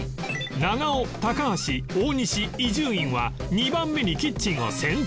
長尾高橋大西伊集院は２番目にキッチンを選択